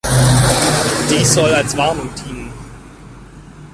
Dies soll als Warnung dienen.